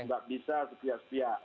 tidak bisa setiap setiap